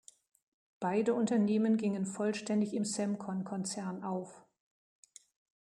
Beide Unternehmen gingen vollständig im Semcon-Konzern auf.